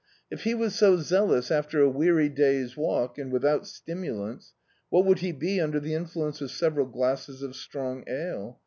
If he was so zealous after a weary da/s walk, and without stimulants, what would he be under the in fluence of several glasses of strong ale?